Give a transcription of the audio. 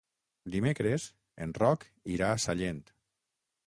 Dimecres en Roc irà a Sallent.